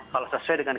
kalau sesuai dengan